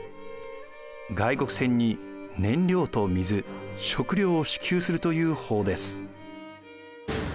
外国船に燃料と水・食料を支給するという法です。